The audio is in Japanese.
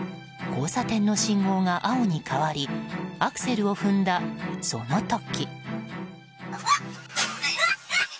交差点の信号が青に変わりアクセルを踏んだその時。